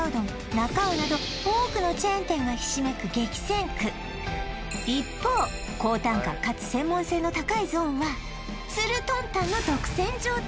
なか卯など多くのチェーン店がひしめく激戦区一方高単価かつ専門性の高いゾーンはつるとんたんの独占状態